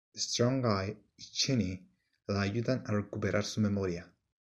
Strong Guy y Cheney la ayudan a recuperar su memoria.